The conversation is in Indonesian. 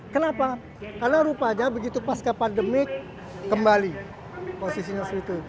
kenapa karena rupanya begitu pas ke pandemic kembali posisinya seperti itu